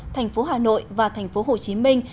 thành phố hà nội và thành phố hồ chí minh